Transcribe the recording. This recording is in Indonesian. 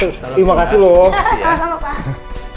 terima kasih loh